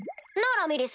ラミリス